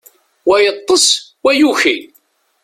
Wa yeṭṭes, wa yuki.